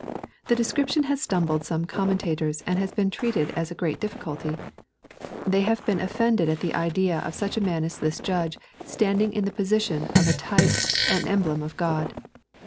The description has stumbled some commentators, and has been treated as a great difficulty. They have been offended at the idea of such a man as this judge standing in the position of a type and emhiem of God.